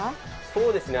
そうですね。